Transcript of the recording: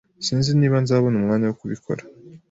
Sinzi niba nzabona umwanya wo kubikora.